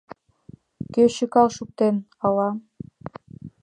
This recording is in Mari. Кӧ чыкал шуктен, ала...